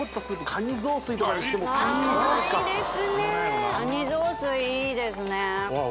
カニ雑炊いいですねあっ